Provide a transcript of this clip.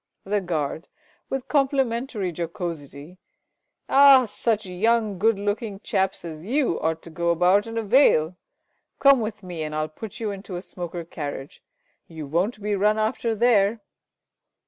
The Guard (with complimentary jocosity). Ah, such young good looking chaps as you ought to go about in a veil. Come with me, and I'll put you into a smoker carriage. You won't be run after there!